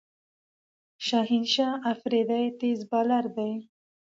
شاهین شاه آفريدي تېز بالر دئ.